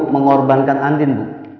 mengorbankan andin bu